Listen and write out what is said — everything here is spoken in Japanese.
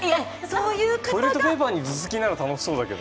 トイレットペーパーに頭突きなら楽しそうだけど。